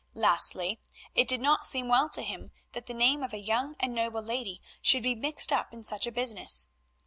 Lastly, it did not seem well to him that the name of a young and noble lady should be mixed up in such a business.